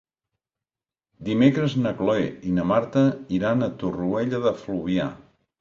Dimecres na Cloè i na Marta iran a Torroella de Fluvià.